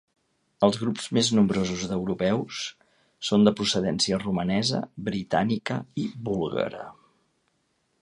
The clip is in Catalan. Els grups més nombrosos d’europeus són de procedència romanesa, britànica i búlgara.